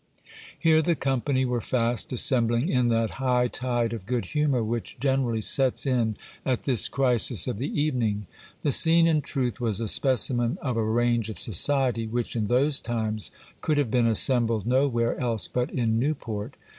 Here the company were fast assembling in that high tide of good humour which generally sets in at this crisis of the evening. The scene, in truth, was a specimen of a range of society which in those times could have been assembled nowhere else but in Newport.